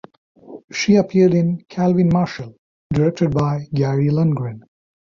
She appeared in "Calvin Marshall" directed by Gary Lundgren.